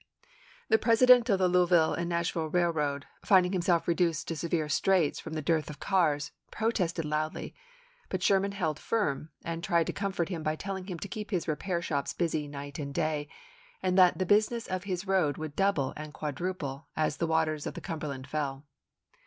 The president of the Louisville and Nashville Eailroad, finding himself reduced to se vere straits from the dearth of cars, protested loudly ; but Sherman held firm, and tried to com fort him by telling him to keep his repair shops committee busy night and day, and that the business of his o?thenwar! road would double and quadruple as the waters of voiTi6; the Cumberland fell.